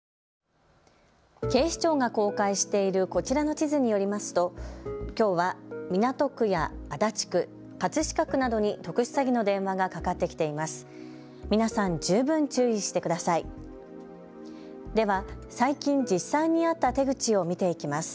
警視庁が公開しているこちらの地図によりますときょうは港区や足立区、葛飾区などに特殊詐欺の電話がかかってきています。